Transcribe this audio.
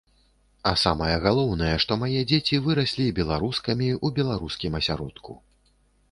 А самае галоўнае, што мае дзеці выраслі беларускамі ў беларускім асяродку.